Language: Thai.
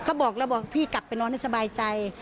เขาบอกแล้วบอกพี่กลับไปนอนให้สบายใจ